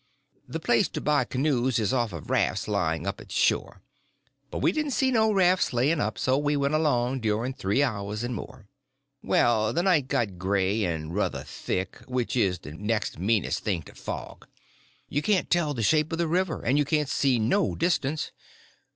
The place to buy canoes is off of rafts laying up at shore. But we didn't see no rafts laying up; so we went along during three hours and more. Well, the night got gray and ruther thick, which is the next meanest thing to fog. You can't tell the shape of the river, and you can't see no distance.